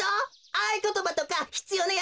あいことばとかひつようなやつだよ。